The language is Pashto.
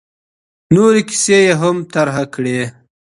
نورې کیسې یې هم طرحه کړې.